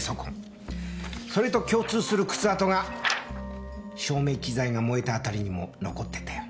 それと共通する靴跡が照明機材が燃えたあたりにも残ってたよ。